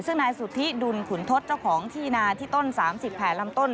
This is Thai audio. ซึ่งนายสุธิดุลขุนทศเจ้าของที่นาที่ต้น๓แผ่นลำต้น